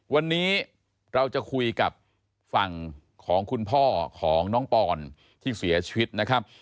วันนี้เราจะคุยกับฝั่งของคุณพ่อของน้องปอนที่เสียชีวิตนะครับ